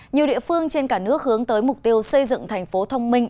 nhiều địa phương trên cả nước hướng tới mục tiêu xây dựng thành phố thông minh